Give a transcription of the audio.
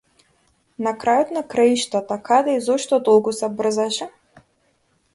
На крајот на краиштата, каде и зошто толку се брзаше?